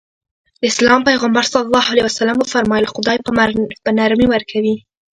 د اسلام پيغمبر ص وفرمايل خدای په نرمي ورکوي.